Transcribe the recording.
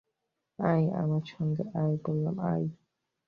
আয় আমার সঙ্গে, আয় বললাম, আয়।